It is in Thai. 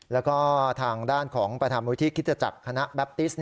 แล้วก็ทางด้านของประธานมูลที่คิตจักรคณะแบปติส